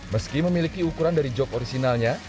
meski memiliki ukuran dari jog orisinalnya